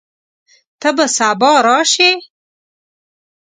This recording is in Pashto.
ته به سبا راشې؟